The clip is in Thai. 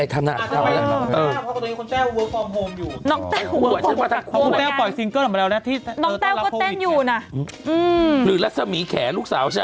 น้องแซ่วก็เต้นอยู่น่ะ